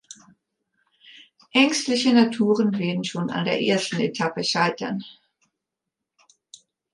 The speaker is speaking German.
Ängstliche Naturen werden schon an der ersten Etappe scheitern.